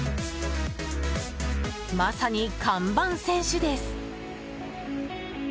まさに看板選手です。